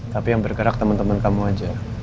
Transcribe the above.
tapi yang bergerak temen temen kamu aja